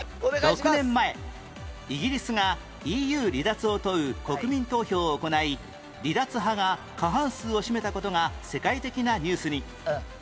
６年前イギリスが ＥＵ 離脱を問う国民投票を行い離脱派が過半数を占めた事が世界的なニュースに